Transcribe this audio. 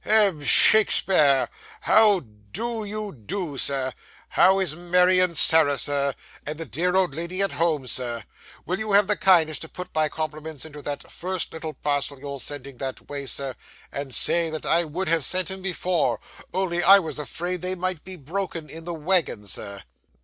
Hem, Shakespeare! How do you do, Sir? How is Mary and Sarah, sir? and the dear old lady at home, Sir? Will you have the kindness to put my compliments into the first little parcel you're sending that way, sir, and say that I would have sent 'em before, only I was afraid they might be broken in the wagon, sir?